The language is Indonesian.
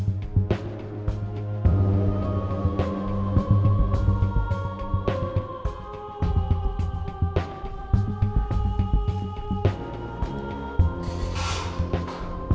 bisa di latihan dia